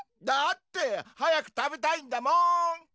だって早く食べたいんだもん。